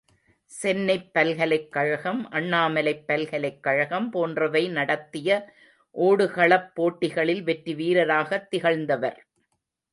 சென்னைப் பல்கலைக் கழகம், அண்ணாமலைப் பல்கலைக் கழகம் போன்றவை நடத்திய ஓடுகளப் போட்டிகளில் வெற்ற வீரராகத் திகழ்ந்தவர்.